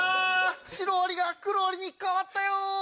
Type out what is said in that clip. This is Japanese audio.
シロアリがクロアリに変わったよ。